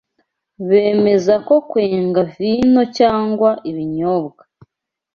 bemeza ko kwenga vino cyangwa ibinyobwa